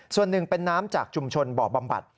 ส่วนหนึ่งเป็นน้ำจากชุมชนบ่อบำบัด